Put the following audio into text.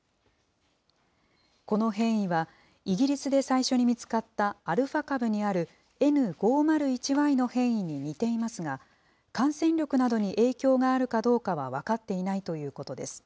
この変異は、イギリスで最初に見つかったアルファ株にあるＮ５０１Ｙの変異に似ていますが、感染力などに影響があるかどうかは分かっていないということです。